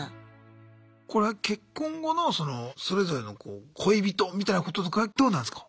これは結婚後のそれぞれの恋人みたいなこととかはどうなんすか？